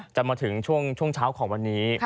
จะมาถึงช่วงเช้าของวันนี้